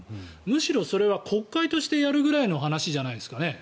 むしろそれは国会としてやるぐらいの話じゃないですかね。